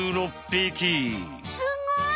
すごい！